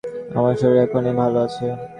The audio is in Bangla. আমার শরীর এক্ষণে ভাল আছে।